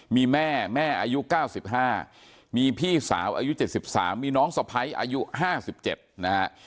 มีแม่แม่อายุ๙๕มีพี่สาวอายุ๗๓มีน้องสะพ้ายอายุ๕๗นะฮะ